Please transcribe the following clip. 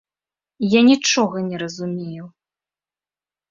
Я нічога не разумею!